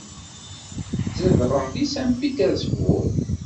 Tzedɣem deg Saint Petersburg.